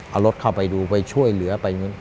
เอารถเข้าไปดูไปช่วยเหลือไป